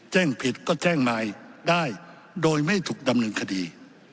แจ้งผิดก็แจ้งมายได้โดยไม่ถูกดำเนินคดี